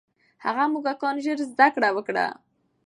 هغه موږکان ژر زده کړه وکړه.